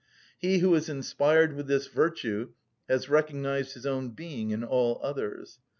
He who is inspired with this virtue has recognised his own being in all others.